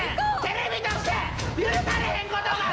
テレビとして許されへんことが！